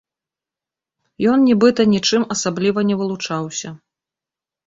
Ён нібыта нічым асабліва не вылучаўся.